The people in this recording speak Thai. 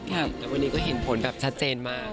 แต่วันนี้ก็เห็นผลแบบชัดเจนมาก